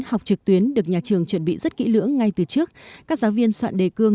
học trực tuyến được nhà trường chuẩn bị rất kỹ lưỡng ngay từ trước các giáo viên soạn đề cương